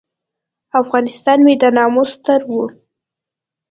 افغانستان مې د ناموس ستر و.